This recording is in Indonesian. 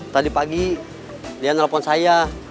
tadi pagi dia nelfon saya